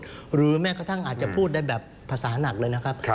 หรือแม้กระทั่งอาจจะพูดได้แบบภาษาหนักเลยนะครับ